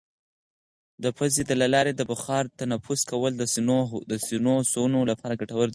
د پوزې له لارې د بخار تنفس کول د سینوسونو لپاره ګټور دي.